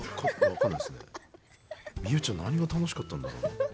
望生ちゃん何が楽しかったんだろう？